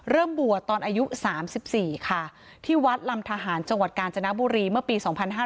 บวชตอนอายุ๓๔ค่ะที่วัดลำทหารจังหวัดกาญจนบุรีเมื่อปี๒๕๕๙